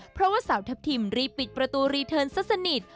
เพราะว่าสาวทัพทิมรีบปิดประตูรีเทิร์นซะสนิท